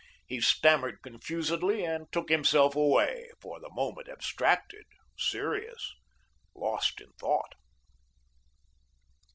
He stammered confusedly and took himself away, for the moment abstracted, serious, lost in thought.